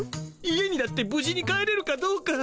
家にだってぶ事に帰れるかどうか。